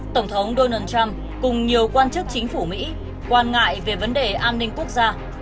tổng thống donald trump cùng nhiều quan chức chính phủ mỹ quan ngại về vấn đề an ninh quốc gia